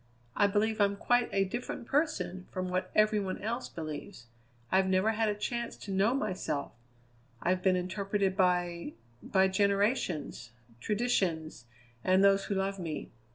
I believe I'm quite a different person from what every one else believes; I've never had a chance to know myself; I've been interpreted by by generations, traditions, and those who love me.